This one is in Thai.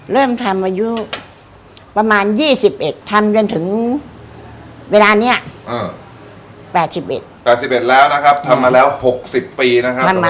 เลิกทำอายุเท่าไหร่ครับ